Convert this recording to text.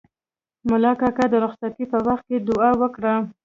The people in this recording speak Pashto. ملا کاکا د رخصتۍ په وخت کې دوعا وکړه.